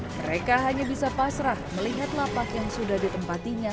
mereka hanya bisa pasrah melihat lapak yang sudah ditempatinya